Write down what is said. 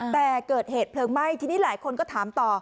แต่เกิดเหตุเพลิงไหม้ทีนี้หลายคนก็ถามต่อ